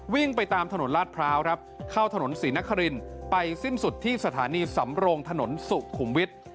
ไปตามถนนลาดพร้าวครับเข้าถนนศรีนครินไปสิ้นสุดที่สถานีสำโรงถนนสุขุมวิทย์